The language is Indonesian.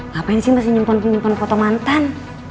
ngapain sih masih nyimpen nyimpen foto mantan